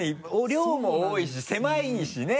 量も多いし狭いしね。